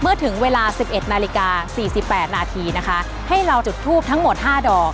ถึงเวลา๑๑นาฬิกา๔๘นาทีนะคะให้เราจุดทูปทั้งหมด๕ดอก